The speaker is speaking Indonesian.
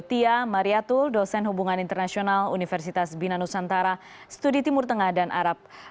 tia mariatul dosen hubungan internasional universitas bina nusantara studi timur tengah dan arab